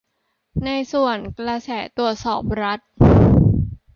ในส่วน 'กระแสตรวจสอบรัฐ'